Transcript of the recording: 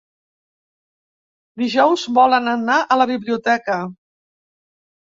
Dijous volen anar a la biblioteca.